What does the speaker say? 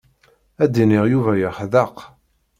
Ad d-iniɣ Yuba yeḥdeq.